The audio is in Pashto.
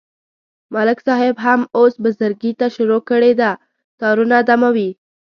ملک صاحب هم اوس بزرگی ته شروع کړې ده، تارونه دموي.